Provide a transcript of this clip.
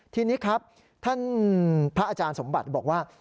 ทีนี้ครับท่านพระอาจารย์สมบัติบอกว่า